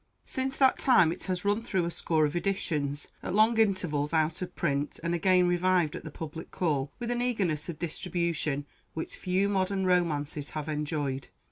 Since that time it has run through a score of editions, at long intervals out of print, and again revived at the public call with an eagerness of distribution which few modern romances have enjoyed.